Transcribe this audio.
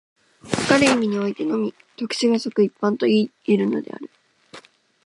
かかる意味においてのみ、特殊が即一般といい得るのである。